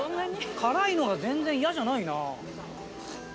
辛いのが全然嫌じゃないなぁ。